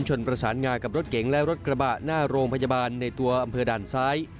ชนประสานงากับรถเก๋งและรถกระบะหน้าโรงพยาบาลในตัวอำเภอด่านซ้าย